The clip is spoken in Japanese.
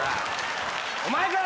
お前こら